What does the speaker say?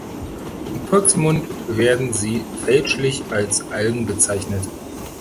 Im Volksmund werden sie fälschlich als Algen bezeichnet.